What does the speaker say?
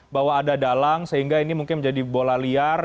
bahwa ada dalang sehingga ini mungkin menjadi bola liar